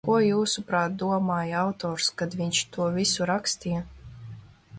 Ko, jūsuprāt, domāja autors, kad viņš to visu rakstīja?